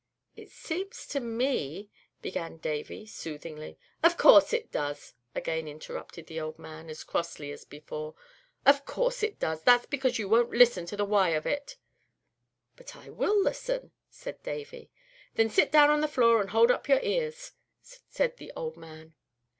"It seems to me" began Davy, soothingly. "Of course it does!" again interrupted the old man, as crossly as before. "Of course it does! That's because you won't listen to the why of it." "But I will listen," said Davy. "Then sit down on the floor and hold up your ears," said the old man.